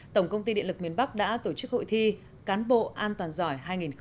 tổng công ty điện lực miền bắc đã tổ chức hội thi cán bộ an toàn giỏi hai nghìn một mươi chín